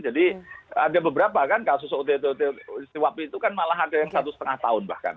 jadi ada beberapa kan kasus ototwp itu kan malah ada yang satu lima tahun bahkan